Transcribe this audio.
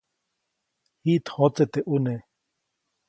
Jiʼt jõtse teʼ ʼune.